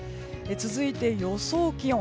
続いて、予想気温。